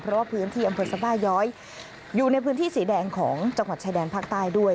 เพราะว่าพื้นที่อำเภอสบาย้อยอยู่ในพื้นที่สีแดงของจังหวัดชายแดนภาคใต้ด้วย